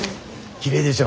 きれいでしょ？